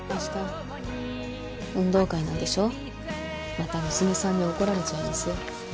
また娘さんに怒られちゃいますよ。